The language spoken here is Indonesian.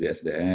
jadi sdm dulu